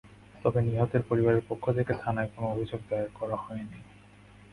তবে নিহতের পরিবারের পক্ষ থেকে থানায় কোনো অভিযোগ দায়ের করা হয়নি।